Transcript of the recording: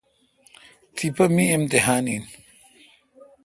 تی پہ می امتحان این۔